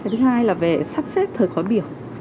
thứ hai là về sắp xếp thời khói biểu